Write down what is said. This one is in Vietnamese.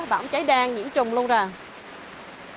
bỏng cháy đen nhiễm trùng luôn rồi